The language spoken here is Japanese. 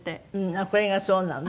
これがそうなのね。